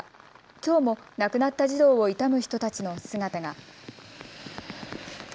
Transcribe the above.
きょうも亡くなった児童を悼む人たちの姿が。